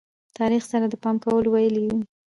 تاریخ سره د پام کولو ویلې دي.